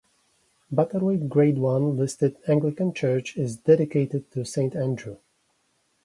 Butterwick Grade One listed Anglican church is dedicated to Saint Andrew.